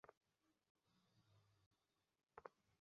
তিনি তাঁদের সাথে তা খেলেন।